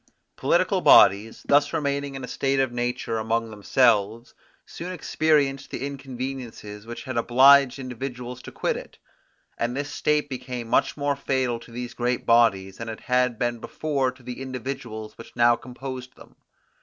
Political bodies, thus remaining in a state of nature among themselves, soon experienced the inconveniences which had obliged individuals to quit it; and this state became much more fatal to these great bodies, than it had been before to the individuals which now composed them.